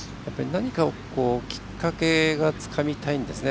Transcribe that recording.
何かきっかけをつかみたいんですね